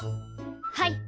はい。